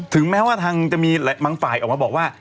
แม้ว่าทางจะมีบางฝ่ายออกมาบอกว่า